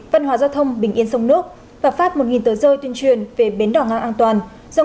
văn hóa giao thông bình yên sông nước và phát một tờ rơi tuyên truyền về bến đỏ ngang an toàn giao